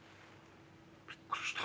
「びっくりした。